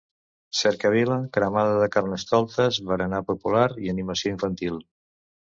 Cercavila, cremada del Carnestoltes, berenar popular i animació infantil.